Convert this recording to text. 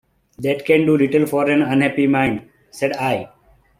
"That can do little for an unhappy mind," said I.